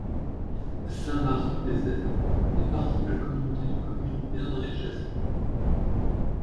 Saint-Mars-du-Désert fait partie de la communauté de communes d'Erdre et Gesvres.